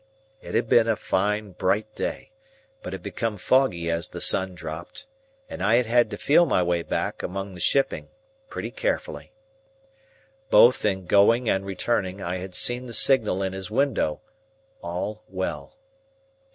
It had been a fine bright day, but had become foggy as the sun dropped, and I had had to feel my way back among the shipping, pretty carefully. Both in going and returning, I had seen the signal in his window, All well.